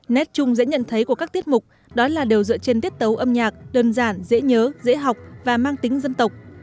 nét chung dễ nhận thấy của các tiết mục đó là đều dựa trên tiết tấu âm nhạc đơn giản dễ nhớ dễ học và mang tính dân tộc